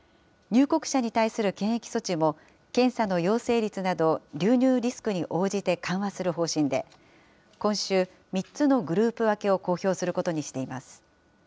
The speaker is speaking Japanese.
入国者に対する検疫措置も、検査の陽性率など流入リスクに応じて緩和する方針で、今週、３つのグループ分けを公表することにしています。